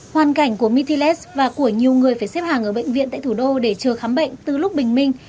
hoàn cảnh của mitiles và của nhiều người phải xếp hàng ở bệnh viện tại thủ đô để chờ khám bệnh từ lúc bình minh